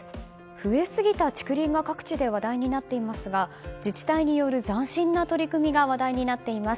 増えすぎた竹林が各地で話題になっていますが自治体による斬新な取り組みが話題になっています。